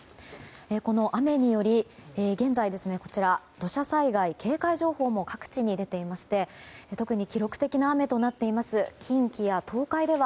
この雨により現在土砂災害警戒情報も各地に出ていまして特に記録的な雨となっている近畿や東海では